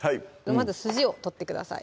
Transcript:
まず筋を取ってください